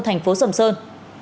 thành phố sầm sơn